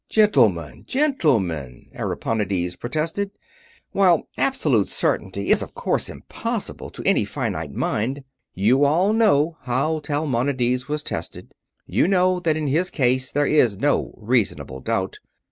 "Gentlemen! Gentlemen!" Ariponides protested. "While absolute certainty is of course impossible to any finite mind, you all know how Talmonides was tested; you know that in his case there is no reasonable doubt.